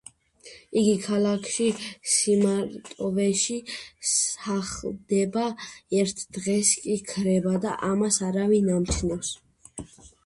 იგი ქალაქში სიმარტოვეში სახლდება, ერთ დღეს კი ქრება და ამას არავინ ამჩნევს.